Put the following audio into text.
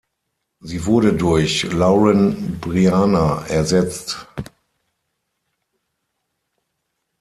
Sie wurde durch Lauren Briana ersetzt.